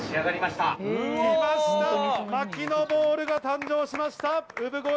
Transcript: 槙野ボールが誕生しました！